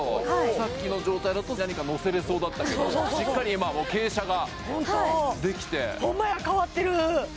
さっきの状態だと何かのせれそうだったけどしっかり今傾斜ができてホンマや変わってる！